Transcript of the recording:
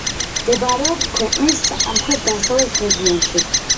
მდებარეობს ქვეყნის სამხრეთ-დასავლეთ რეგიონში.